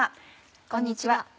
こんにちは。